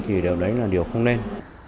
thì điều đấy là điều không nên